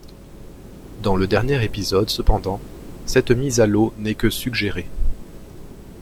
Dans le dernier épisode cependant cette mise à l'eau n'est que suggérée.